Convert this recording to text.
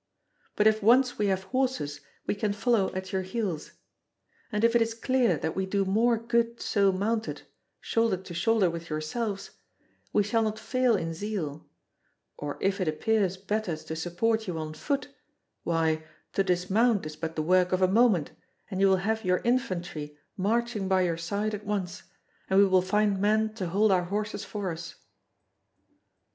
But if once we have horses, we can follow at your heels. And if it is clear that we do more good so mounted, shoulder to shoulder with yourselves, we shall not fail in zeal; or if it appears better to support you on foot, why, to dismount is but the work of a moment, and you will have your infantry marching by your side at once, and we will find men to hold our horses for us."